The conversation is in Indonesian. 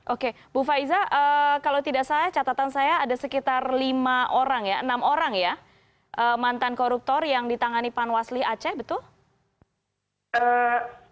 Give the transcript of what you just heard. oke bu faiza kalau tidak salah catatan saya ada sekitar lima orang ya enam orang ya mantan koruptor yang ditangani panwasli aceh betul